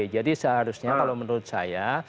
jadi seharusnya kalau menurut saya